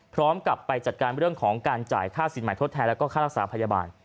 พร้อมกับไปจัดการเรื่องของการจ่ายค่าสินใหม่ทดแทนแล้วก็ค่ารักษาพยาบาล